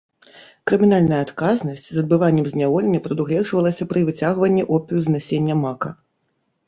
Крымінальная адказнасць з адбываннем зняволення прадугледжвалася пры выцягванні опію з насення мака.